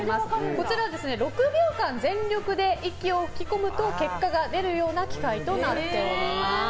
こちら６秒間全力で息を吹き込むと結果が出るような機械となっております。